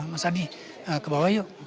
mas adi ke bawah yuk